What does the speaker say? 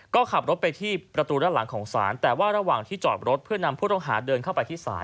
ก็ขับรถไปที่ประตูด้านหลังของศาลแต่ว่าระหว่างที่จอดรถเพื่อนำผู้ต้องหาเดินเข้าไปที่ศาล